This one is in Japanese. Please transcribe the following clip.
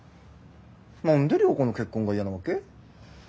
何で良子の結婚が嫌なわけ？